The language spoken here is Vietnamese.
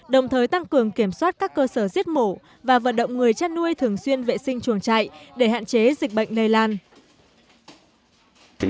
đồng thời tăng cường kiểm soát các cơ sở giết mổ và vận động người chăn nuôi thường xuyên vệ sinh chuồng chạy để hạn chế dịch bệnh lây lan